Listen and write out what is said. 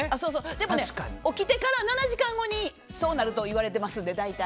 でも起きてから７時間後にそうなるといわれていますので、大体。